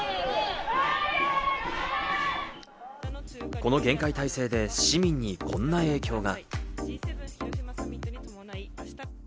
この厳戒態勢で市民にこんな影響が。